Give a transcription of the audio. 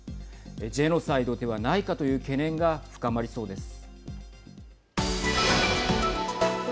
ジェノサイドではないかという懸念が深まりそうです。